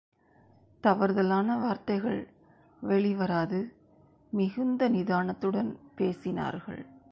தவறுதலான வார்த்தைகள் வெளிவராது மிகுந்த நிதானத்துடன் பேசினார்கள்.